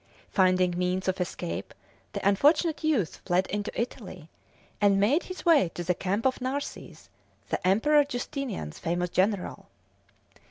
Finding means of escape, the unfortunate youth fled into Italy, and made his way to the camp of Narses, the Emperor Justinian's famous general.